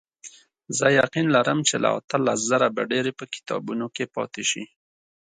زه یقین لرم چې له اتلس زره به ډېرې په کتابونو کې پاتې شي.